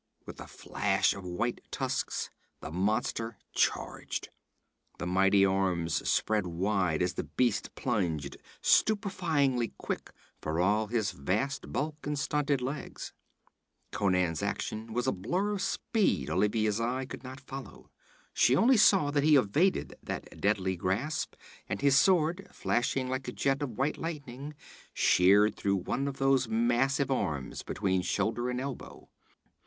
With a flash of white tusks, the monster charged. The mighty arms spread wide as the beast plunged, stupefyingly quick for all his vast bulk and stunted legs. Conan's action was a blur of speed Olivia's eye could not follow. She only saw that he evaded that deadly grasp, and his sword, flashing like a jet of white lightning, sheared through one of those massive arms between shoulder and elbow.